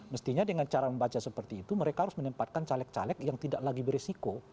mestinya dengan cara membaca seperti itu mereka harus menempatkan caleg caleg yang tidak lagi beresiko